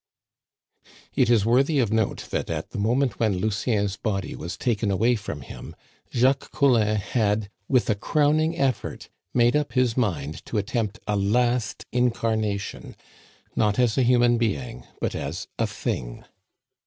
It is worthy of note that at the moment when Lucien's body was taken away from him, Jacques Collin had, with a crowning effort, made up his mind to attempt a last incarnation, not as a human being, but as a thing.